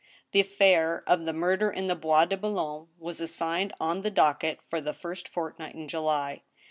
The affair of the murder in the Bois de Boulogne was assigned on the docket for the first fortnight in July.